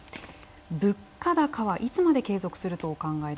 「物価高はいつまで継続するとお考えですか？